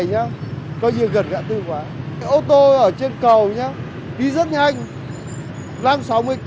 coi như ụn ụn ở kia tư đèn đỏ kia không để dừng nữa thì nó dòng nước chảy nó cứ chảy đều đều đến loạn quay đầu người ta quay